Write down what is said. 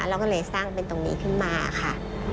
เราก็เลยสร้างเป็นตรงนี้ขึ้นมาค่ะ